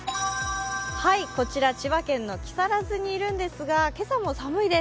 こちら千葉県の木更津にいるんですが、今朝も寒いです。